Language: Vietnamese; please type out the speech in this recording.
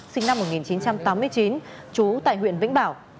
sinh năm một nghìn chín trăm tám mươi chín trú tại huyện vĩnh bảo